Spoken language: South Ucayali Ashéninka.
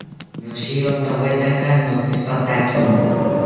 Noshirontawetaka notsipatakimi